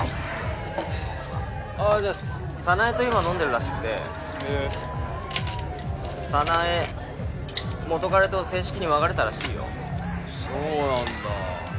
あざっす早苗と今飲んでるらしくてへぇ早苗元カレと正式に別れたらしいよそうなんだ